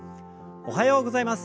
おはようございます。